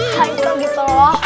hai kal gitu loh